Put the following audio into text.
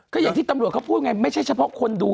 ก็อย่างที่ตำรวจเขาพูดไงไม่ใช่เฉพาะคนดู